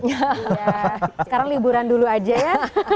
ya sekarang liburan dulu aja ya